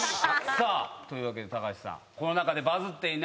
というわけで高橋さん。